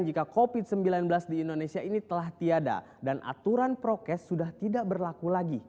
jika covid sembilan belas di indonesia ini telah tiada dan aturan prokes sudah tidak berlaku lagi